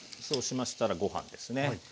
そうしましたらご飯ですね。